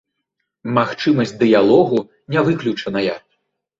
Магчымасць дыялогу не выключаная.